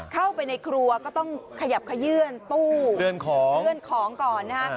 เข้าไปในครัวก็ต้องขยับขยื่นตู้เลื่อนของก่อนนะฮะ